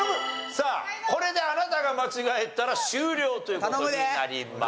さあこれであなたが間違えたら終了という事になります。